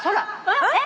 えっ？